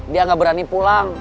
dia gak berani pulang